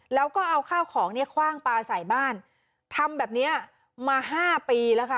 แล้วก็เอาข้าวของเนี่ยคว่างปลาใส่บ้านทำแบบเนี้ยมาห้าปีแล้วค่ะ